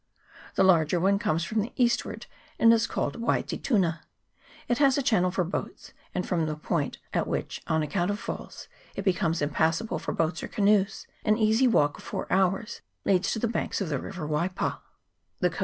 The larger one comes from the eastward, and is called Wai te Tuna : it has a channel for boats ; and from the point at which, on account of falls, it becomes impassable for boats or canoes, an easy walk of four hours leads to the banks of the river Waipa.